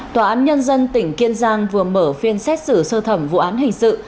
tòa án nhân dân tỉnh kiên giang vừa mở phiên xét xử sơ thẩm vụ án hình sự